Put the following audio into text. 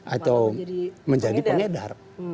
atau menjadi pengedar